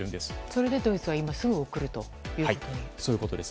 それでドイツは今すぐ送るということに。